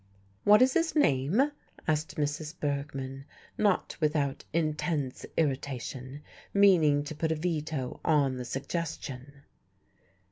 "What is his name?" asked Mrs. Bergmann, not without intense irritation, meaning to put a veto on the suggestion.